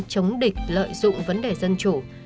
chống địch lợi dụng vấn đề dân chủ